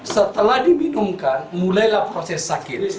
setelah diminumkan mulailah proses sakit